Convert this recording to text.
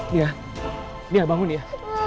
nia nia bangun nia